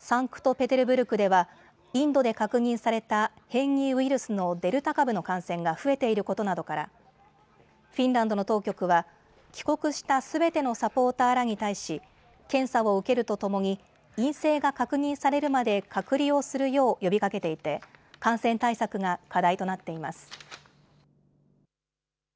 サンクトペテルブルクではインドで確認された変異ウイルスのデルタ株の感染が増えていることなどからフィンランドの当局は帰国したすべてのサポーターらに対し、検査を受けるとともに陰性が確認されるまで隔離をするよう呼びかけていて感染対策が課題となっています。